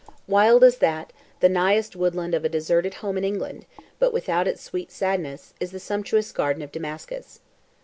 Wild as that, the nighest woodland of a deserted home in England, but without its sweet sadness, is the sumptuous garden of Damascus.